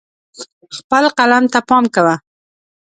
خپل قلم ته پام کوه.